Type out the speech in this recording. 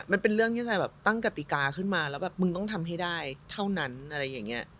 มันเป็นเรื่องที่ไทยแบบตั้งกติกาขึ้นมาแล้วแบบมึงต้องทำให้ได้เท่านั้นอะไรอย่างนี้